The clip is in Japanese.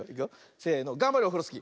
せのがんばれオフロスキー。